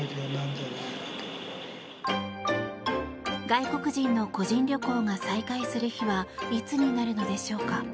外国人の個人旅行が再開する日はいつになるのでしょうか。